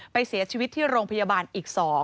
ไปเสียชีวิตที่โรงพยาบาลอีก๒